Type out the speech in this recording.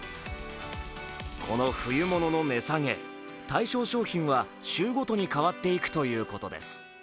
この冬物の値下げ、対象商品は週ごとに変わっていくということです。